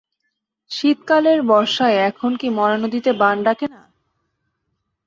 শীতকালের বর্ষায় এখনো কি মরা নদীতে বান ডাকে না?